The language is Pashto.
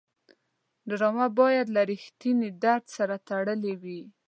ډرامه باید له رښتینې درد سره تړلې وي